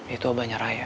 itu abah nyeraya